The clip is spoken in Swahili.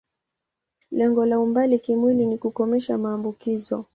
Lengo la umbali kimwili ni kukomesha maambukizo.